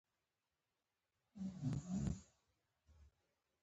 وطن ته د آبادۍ دعاوې وکړئ.